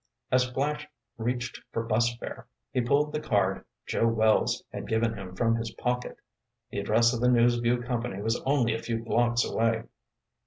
As Flash reached for bus fare, he pulled the card Joe Wells had given him from his pocket. The address of the News Vue Company was only a few blocks away.